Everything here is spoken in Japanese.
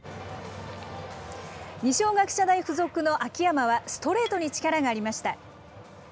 二松学舎大付属の秋山は、ストレートに力がありました。